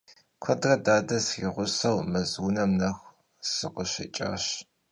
Kuedre dade sriğuseu mez vunem nexu sıkhışêç'aş.